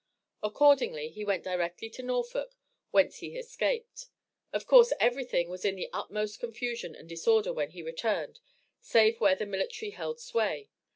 Accordingly he went directly to Norfolk, whence he escaped. Of course every thing was in the utmost confusion and disorder when he returned, save where the military held sway.